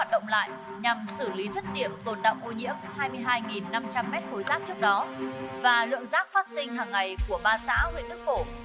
đồng lại nhằm xử lý rất điểm tồn đọng ô nhiễm hai mươi hai năm trăm linh m hai khối rác trước đó và lượng rác phát sinh hàng ngày của ba xã huyện đức phổ